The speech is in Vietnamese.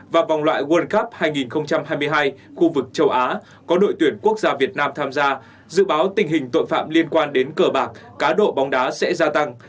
và vòng loại world cup hai nghìn hai mươi hai khu vực châu á có đội tuyển quốc gia việt nam tham gia dự báo tình hình tội phạm liên quan đến cờ bạc cá độ bóng đá sẽ gia tăng